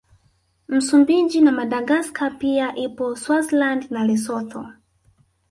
Msumbiji na Madagaska pia ipo Swaziland na Lesotho